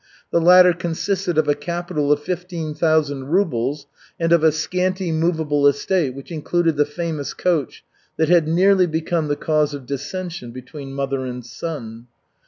The latter consisted of a capital of fifteen thousand rubles and of a scanty movable estate which included the famous coach that had nearly become the cause of dissension between mother and son.